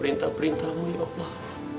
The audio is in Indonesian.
dan demi anaknya ya allah